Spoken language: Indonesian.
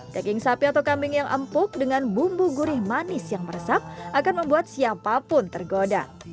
daging sapi atau kambing yang empuk dengan bumbu gurih manis yang meresap akan membuat siapapun tergoda